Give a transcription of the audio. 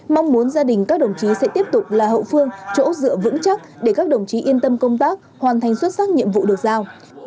mong muốn gia đình các đồng chí sẽ tiếp tục là hậu phương chỗ dựa vững chắc để các đồng chí yên tâm công tác hoàn thành xuất sắc nhiệm vụ được giao